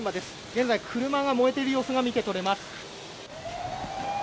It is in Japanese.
現在車が燃えている様子が見て取れます。